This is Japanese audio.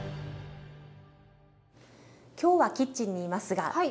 今日はキッチンにいますが。